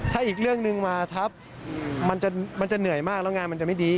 ถ้าอีกเรื่องหนึ่งมาทับมันจะเหนื่อยมากแล้วงานมันจะไม่ดี